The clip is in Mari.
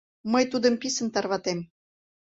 Мый тудым писын тарватем!